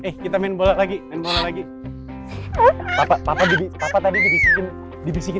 hai abizar abizar eh kita main bola lagi lagi